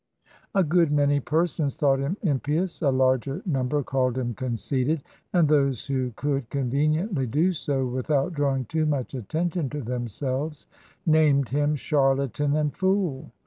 A good many persons thought him impious, a larger number called him conceited, and those who could con veniently do so without drawing too much attention to themselves named him " charlatan" and " fool.'